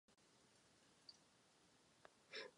Pokud jde o otázku dlouhých lhůt realizace či přípravy?